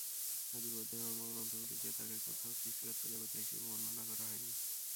আদি বৌদ্ধ ধর্মগ্রন্থগুলিতে তাঁকে কোথাও সৃষ্টিকর্তা দেবতা হিসেবে বর্ণনা করা হয়নি।